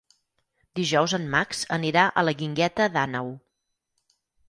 Dijous en Max anirà a la Guingueta d'Àneu.